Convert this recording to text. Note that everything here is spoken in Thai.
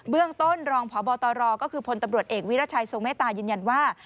เรื่องต้นรองพบตรก็คือพลตำรวจเอกวิรัชัยทรงเมตตายืนยันว่า